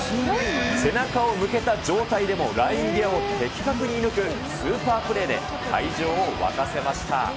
背中を向けた状態でもライン際を的確に射ぬくスーパープレーで会場を沸かせました。